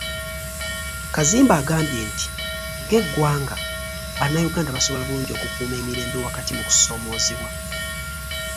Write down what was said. Kazimba agambye nti ng'eggwanga bannayuganda basobola bulungi okukuuma emirembe wakati mu kusoomoozebwa.